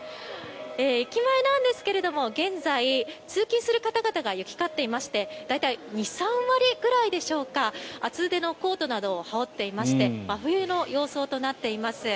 駅前なんですけれど現在通勤する方々が行き交っていまして大体、２３割でしょうか厚手のコートなどを羽織っていまして真冬の様相となっています。